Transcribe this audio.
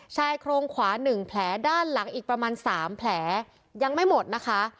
ชายโครงขวา๑แผลด้านหลังอีกประมาณ๓แผลยังไม่หมดนะคะ